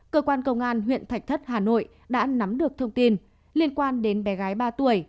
cơ quan công an huyện thạch thất hà nội đã nắm được thông tin liên quan đến bé gái ba tuổi